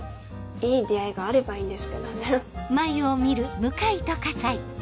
いい出会いがあればいいんですけどね。